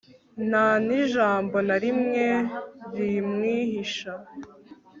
nta n'ijambo na rimwe rimwihisha